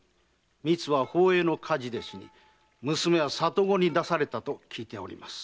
みつは宝永の火事で死に娘は里子に出されたと聞いております。